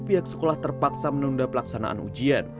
pihak sekolah terpaksa menunda pelaksanaan ujian